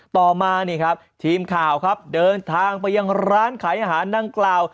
ต่อมานี่ครับทีมข่าวครับเดินทางไปยังร้านขายอาหารดังกล่าว